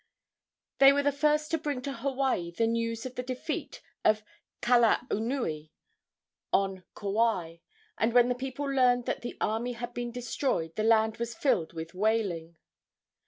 They were the first to bring to Hawaii the news of the defeat of Kalaunui on Kauai, and when the people learned that the army had been destroyed the land was filled with wailing.